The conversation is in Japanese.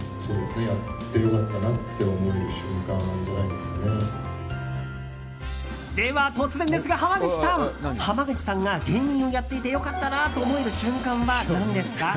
では、突然ですが濱口さん。濱口さんが芸人をやっていて良かったなと思える瞬間は何ですか？